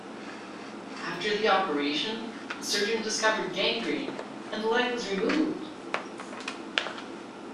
After the operation, the surgeon discovered gangrene; and the leg was removed.